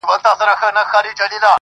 صبر د بریا رفیق دی.